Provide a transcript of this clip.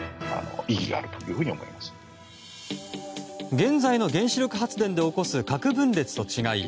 現在の原子力発電で起こす核分裂と違い